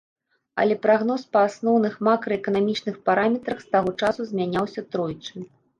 Але прагноз па асноўных макраэканамічных параметрах з таго часу змяняўся тройчы.